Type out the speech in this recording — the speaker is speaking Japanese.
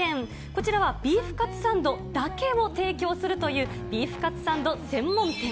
こちらはビーフカツサンドだけを提供するという、ビーフカツサンド専門店。